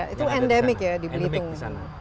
itu endemic ya